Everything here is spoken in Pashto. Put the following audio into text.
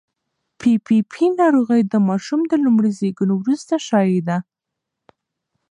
پي پي پي ناروغي د ماشوم د لومړي زېږون وروسته شایع ده.